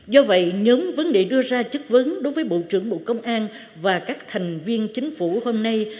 do vậy nhóm vấn đề đưa ra chất vấn đối với bộ trưởng bộ công an và các thành viên chính phủ hôm nay